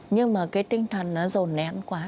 nhưng mà cái tinh thần nó rồn nén quá